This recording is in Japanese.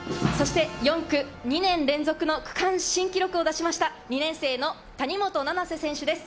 ４区、２年連続の区間新記録を出しました、２年生の谷本七星選手です。